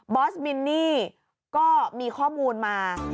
อสมินนี่ก็มีข้อมูลมา